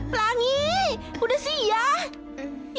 langi udah siang